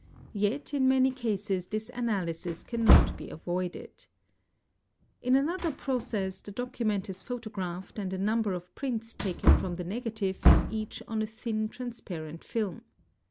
Yet in many cases this analysis cannot be avoided "49, In another process the document is photographed and a number of prints taken from the negative each on a thin transparent film.